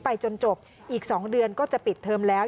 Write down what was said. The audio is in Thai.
จนจบอีก๒เดือนก็จะปิดเทอมแล้ว